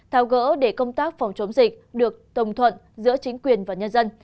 tháo gỡ để công tác phòng chống dịch được tổng thuận giữa chính quyền và nhân dân